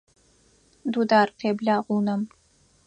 Дудар, къеблагъ унэм!